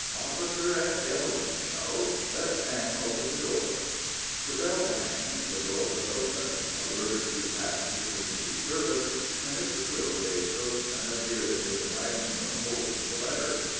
"'Officer and gentleman,' you know. Let Sam open the door." The bell rang, the door was opened, a word or two passed between the two servants, and Mrs. Wittleday's coachman appeared in the dining room, holding the letter.